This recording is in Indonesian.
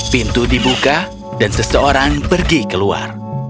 pintu dibuka dan seseorang pergi keluar